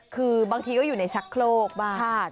คือบางทีก็อยู่ในชักโครกบ้าง